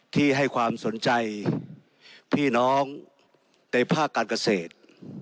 ที่ให้ความสนใจพี่น้องในภาคการเกษตร